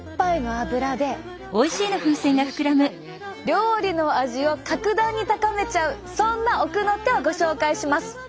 料理の味を格段に高めちゃうそんな奥の手をご紹介します！